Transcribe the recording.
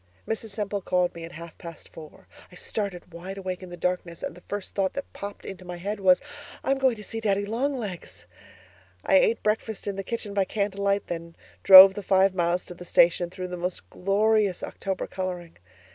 Mrs. Semple called me at half past four. I started wide awake in the darkness and the first thought that popped into my head was, 'I am going to see Daddy Long Legs!' I ate breakfast in the kitchen by candle light, and then drove the five miles to the station through the most glorious October colouring.